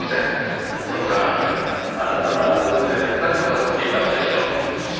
その間あなたはどこで何をなさっていたのでしょう？